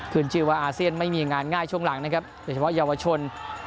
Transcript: ขึ้นชื่อว่าอาเซียนไม่มีงานง่ายช่วงหลังนะครับโดยเฉพาะเยาวชน